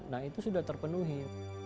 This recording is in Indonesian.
nah itu sudah terpenuhi